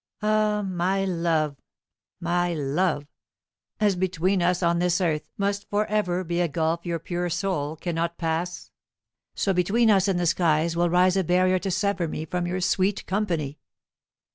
Ah, my love, my love, as between us on this earth must for ever be a gulf your pure soul cannot pass, so between us in the skies will rise a barrier to sever me from your sweet company!"